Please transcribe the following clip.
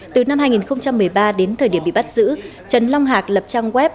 từ năm hai nghìn một mươi ba đến thời điểm bị bắt giữ trần long hạc lập trang web